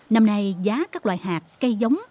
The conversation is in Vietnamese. năm nay giá các loài hạt cây giống